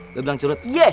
belum bilang curut